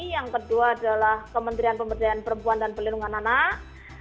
yang kedua adalah kementerian pemberdayaan perempuan dan pelindungan anak